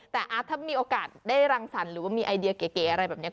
แต่ถ้ามีโอกาสได้รังสรรค์หรือว่ามีไอเดียเก๋อะไรแบบนี้